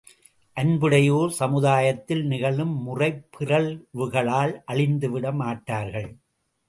அன்புடையோர் சமுதாயத்தில் நிகழும் முறைப் பிறழ்வுகளால் அழிந்துவிட மாட்டார்கள்.